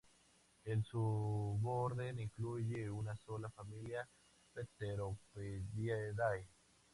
El suborden incluye una sola familia, Pteropodidae.